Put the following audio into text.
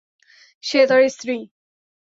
সে তার স্ত্রী।